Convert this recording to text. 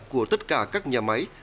của tất cả các nhà máy